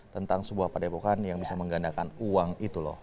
tentang sebuah padepokan yang bisa menggandakan uang itu loh